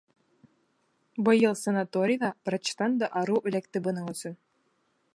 Быйыл санаторийҙә врачтан да арыу эләкте бының өсөн.